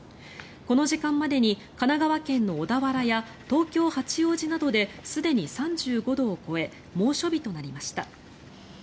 この時間までに神奈川県の小田原や東京・八王子などですでに３５度を超え猛暑日となりました。